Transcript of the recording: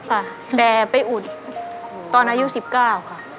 ค่ะแต่ไปอุดตอนอายุ๑๙ค่ะ